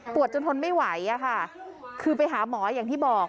จนทนไม่ไหวอะค่ะคือไปหาหมออย่างที่บอก